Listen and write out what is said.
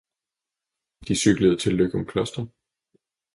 De cyklede til Løgumkloster